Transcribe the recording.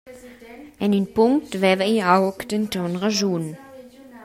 En in punct veva igl aug denton raschun.